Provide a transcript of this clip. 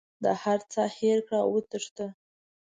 د هر څه هېر کړه او وتښته.